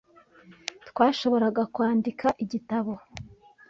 Twashoboraga kwandika igitabo .